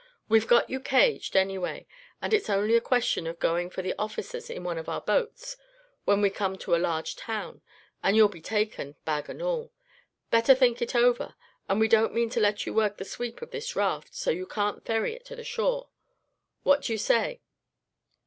"We've got you caged, anyway, and it's only a question of going for the officers in one of our boats, when we come to a large town; and you'll be taken, bag and all. Better think it over. And we don't mean to let you work the sweep of this raft, so you can't ferry it to the shore. What do you say?"